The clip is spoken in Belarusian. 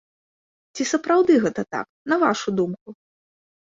Ці сапраўды гэта так, на вашу думку?